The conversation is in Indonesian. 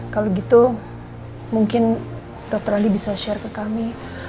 kalau gitu mungkin dokter andi bisa share ke kami